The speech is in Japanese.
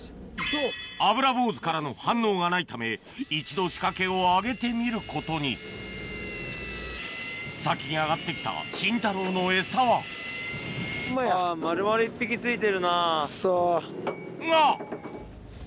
アブラボウズからの反応がないため一度仕掛けを上げてみることに先に上がって来たシンタローのエサはが！